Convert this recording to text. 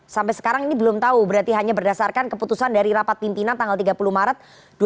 sampai sekarang ini belum tahu berarti hanya berdasarkan keputusan dari rapat pimpinan tanggal tiga puluh maret dua ribu dua puluh